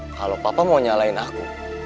kalau papa mau nyalain aku